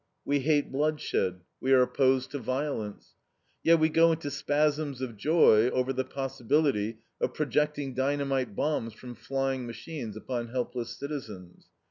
We hate bloodshed; we are opposed to violence. Yet we go into spasms of joy over the possibility of projecting dynamite bombs from flying machines upon helpless citizens.